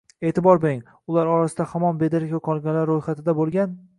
E’tibor bering, ular orasida hamon bedarak yo‘qolganlar ro‘yxatida bo‘lgan